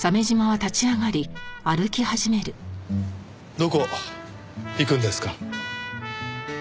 どこ行くんですか？